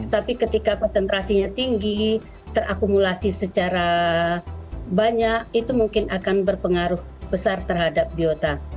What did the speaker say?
tapi ketika konsentrasinya tinggi terakumulasi secara banyak itu mungkin akan berpengaruh besar terhadap biota